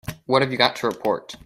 What have you got to report?